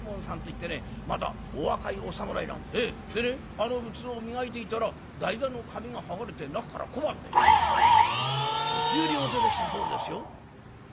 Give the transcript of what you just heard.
あの仏像を磨いていたら台座の紙が剥がれて中から小判で五十両出てきたそうですよ」。